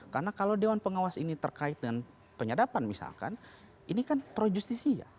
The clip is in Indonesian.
karena kalau dewan pengawas ini terkait dengan penyadapan misalkan ini kan pro justisia